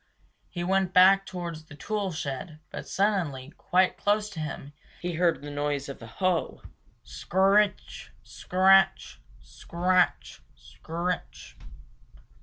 He went back towards the tool shed, but suddenly, quite close to him, he heard the noise of a hoe scr r ritch, scratch, scratch, scritch.